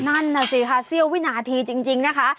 นั่นน่ะสิค่ะเสี้ยววินาทีจริงนะคะ